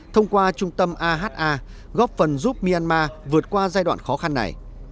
thông qua trung tâm aha góp phần giúp myanmar vượt qua giai đoạn khó khăn này